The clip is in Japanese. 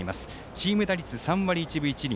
チーム打率３割１分１厘。